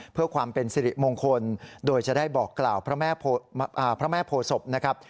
เพื่อความเป็นสิริมงคลโดยจะได้บอกกล่าวพระแม่โพศพนะครับ